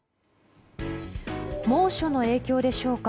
猛暑の影響でしょうか。